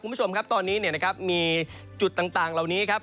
คุณผู้ชมครับตอนนี้เนี่ยนะครับมีจุดต่างเหล่านี้ครับ